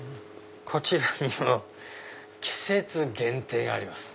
こちらに「季節限定」があります。